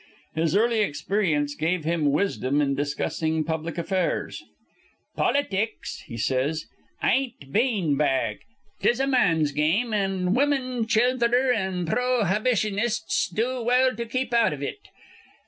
His early experience gave him wisdom in discussing public affairs. "Politics," he says, "ain't bean bag. 'Tis a man's game; an' women, childher, an' pro hybitionists'd do well to keep out iv it."